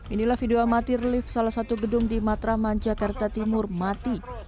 inilah video amatir lift salah satu gedung di matraman jakarta timur mati